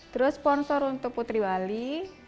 terus sponsor untuk putriwali